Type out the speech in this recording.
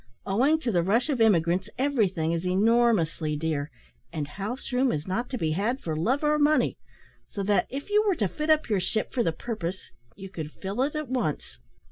Owing to the rush of immigrants everything is enormously dear, and house room is not to be had for love or money, so that if you were to fit up your ship for the purpose you could fill it at once.